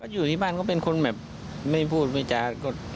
อยู่ที่บ้านก็เป็นคนแบบไม่พูดไม่จาก็